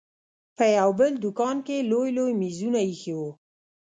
په يو بل دوکان کښې لوى لوى مېزونه ايښي وو.